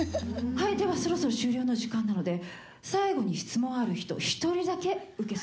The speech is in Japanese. ではそろそろ終了の時間なので最後に質問ある人１人だけ受け付けます。